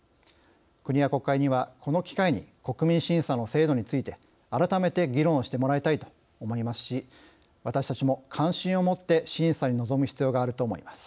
国や国会には、この機会に国民審査の制度について改めて議論してもらいたいと思いますし私たちも関心を持って審査に臨む必要があると思います。